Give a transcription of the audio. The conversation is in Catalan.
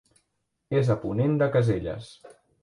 És a ponent de Caselles.